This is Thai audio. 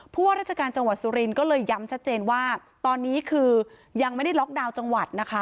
ว่าราชการจังหวัดสุรินทร์ก็เลยย้ำชัดเจนว่าตอนนี้คือยังไม่ได้ล็อกดาวน์จังหวัดนะคะ